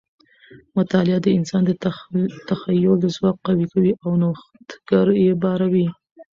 مطالعه د انسان د تخیل ځواک قوي کوي او نوښتګر یې باروي.